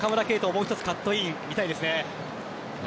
もう一つ、カットイン見たいですね。